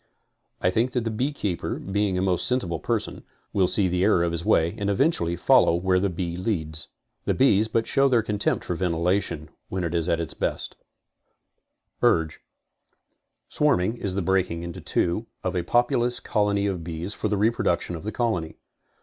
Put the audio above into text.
I think that the beekeepr, being a most sensible person, will see the error of his way and eventually follow where the bee leads. The bees but show their contempt for ventilation when it is at its best. CONSTRUCTIVE BEEKEEPING 7 URGE Swarming is the breaking in two of a populous colony of bees for the reproduction of the colony.